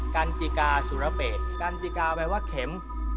กันจิกาแปลว่าเข็ม